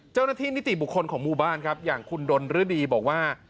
เจ้าหน้าที่นิติบุคคลของมุมบ้านครับอย่างคุณดนฤดีบอกว่า